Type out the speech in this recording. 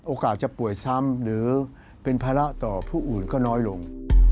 โอกาสจะป่วยซ้ำหรือเป็นภาระต่อผู้อื่นก็น้อยลง